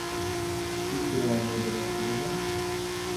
Cicero Almeida da Silva